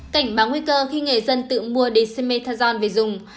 cảnh báo nguy cơ khi nghề dân tự mua dexamethasone về dùng